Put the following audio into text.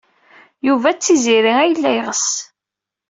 Yuba d Tiziri ay yella yeɣs.